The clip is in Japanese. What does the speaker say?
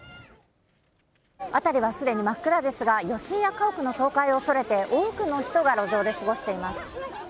辺りは既に真っ暗ですが、余震や家屋の倒壊を恐れて多くの人が路上で過ごしています。